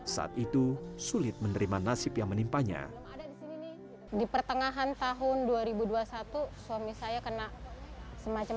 saat itu sulit menerima nasib yang menimpanya ada disini nih di pertengahan tahun dua ribu dua puluh satu suami saya kena semacam